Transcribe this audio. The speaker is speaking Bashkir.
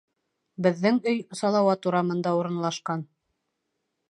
Беҙҙең өй Салауат урамында урынлашҡан